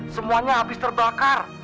semuanya habis terbakar